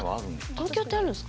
東京ってあるんですか？